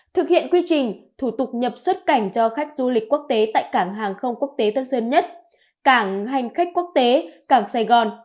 thực hiện quy trình thủ tục nhập xuất cảnh cho khách du lịch quốc tế tại cảng hàng không quốc tế tân sơn nhất cảng hành khách quốc tế cảng sài gòn